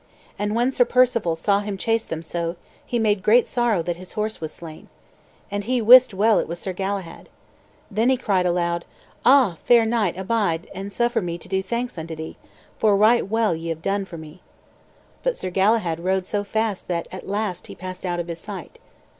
And when Sir Perceval saw him chase them so, he made great sorrow that his horse was slain. And he wist well it was Sir Galahad. Then he cried aloud, "Ah, fair knight, abide, and suffer me to do thanks unto thee; for right well have ye done for me." But Sir Galahad rode so fast that at last he passed out of his sight.